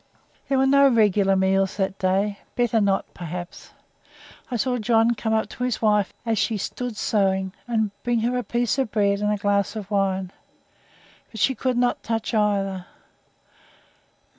There were no regular meals that day; better not, perhaps. I saw John come up to his wife as she stood sewing, and bring her a piece of bread and a glass of wine but she could not touch either.